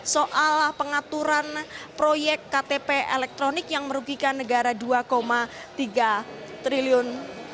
soal pengaturan proyek ktp elektronik yang merugikan negara rp dua tiga triliun